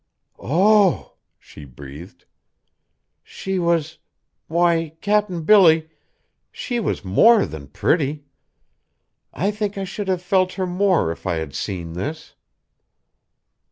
"Oh!" she breathed, "she was why, Cap'n Billy, she was more than pretty! I think I should have felt her more if I had seen this."